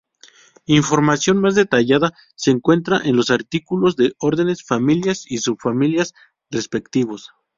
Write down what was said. Información más detallada se encuentra en los artículos de órdenes, familias y subfamilias respectivos.